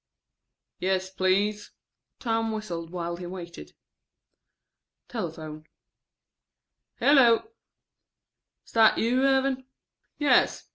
"Yes, please." Tom whistled while he waited. Telephone: ("Hello.") "Is that you, Evan?" ("Yes.